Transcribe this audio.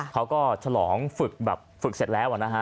เขาก็ฉลองฝึกเสร็จแล้ว